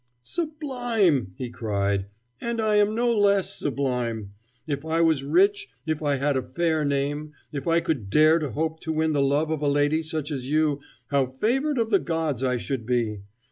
"Sublime!" he cried "and I am no less sublime. If I was rich, if I had a fair name, and if I could dare to hope to win the love of a lady such as you, how favored of the gods I should be!